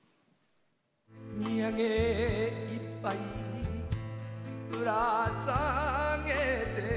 「みやげいっぱいぶらさげてヨー」